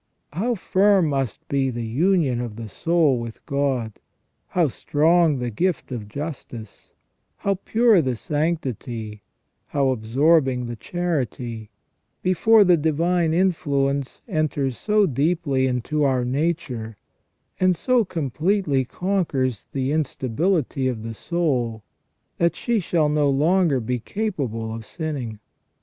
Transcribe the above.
f How firm must be the union of the soul with God, how strong the gift of justice, how pure the sanctity, how absorbing the charity, before the divine influence enters so deeply into our nature, and so completely conquers the instability of the soul, that she shall no longer be capable of sinning.